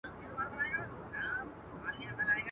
لاس مو تل د خپل ګرېوان په وینو سور دی.